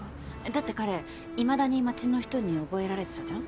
だって彼未だに町の人に覚えられてたじゃん。